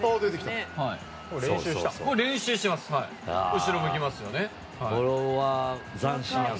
後ろ向きますよね。